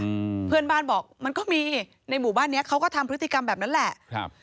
อืมเพื่อนบ้านบอกมันก็มีในหมู่บ้านเนี้ยเขาก็ทำพฤติกรรมแบบนั้นแหละครับ